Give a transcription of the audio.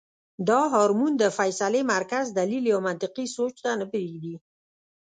دا هارمون د فېصلې مرکز دليل يا منطقي سوچ ته نۀ پرېږدي -